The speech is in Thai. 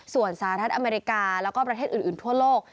ส่วนสหรัฐอเมริกาแล้วก็ประเทศอื่นทั่วโลก